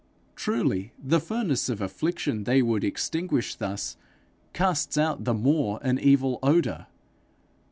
Truly, the furnace of affliction they would extinguish thus, casts out the more an evil odour!